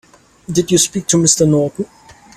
Did you speak to Mr. Norton?